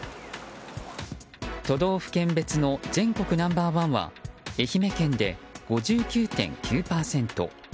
都道府県別の全国ナンバー１は愛媛県で５９．９％。